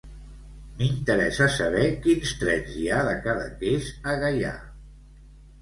M'interessa saber quins trens hi ha de Cadaqués a Gaià.